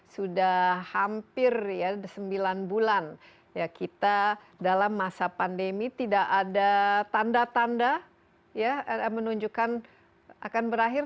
sudah hampir ya sembilan bulan ya kita dalam masa pandemi tidak ada tanda tanda menunjukkan akan berakhir